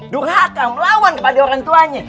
durhaka melawan kepada orang tuanya